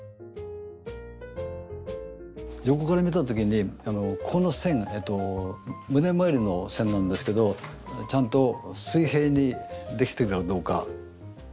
横から見た時にこの線が胸回りの線なんですけどちゃんと水平にできてるかどうか。